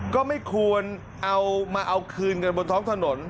ก็ไม่ควรเอามาเอาคืนกันบนท้องถนน